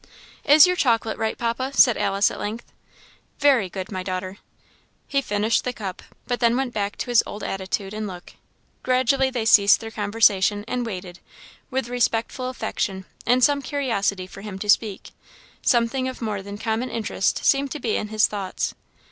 "Is your chocolate right, Papa?" said Alice, at length. "Very good, my daughter." He finished the cup, but then went back to his old attitude and look. Gradually they ceased their conversation, and waited with respectful affection and some curiosity for him to speak; something of more than common interest seemed to be in his thoughts.